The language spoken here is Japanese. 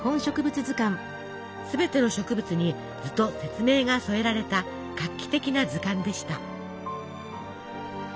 すべての植物に図と説明が添えられた画期的な図鑑でした。